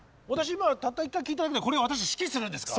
今たった一回聴いただけでこれを私指揮するんですか？